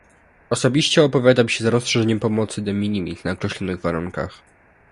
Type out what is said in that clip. Osobiście opowiadam się za rozszerzeniem pomocy de minimis na określonych warunkach